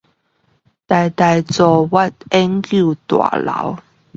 臺大卓越研究大樓